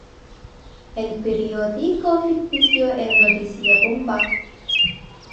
El periódico ficticio en "¡Noticia bomba!